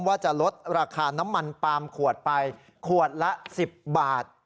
ว่าจะลดราคาน้ำมันปาล์มขวดไปขวดละ๑๐บาท